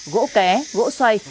gỗ ké gỗ xoay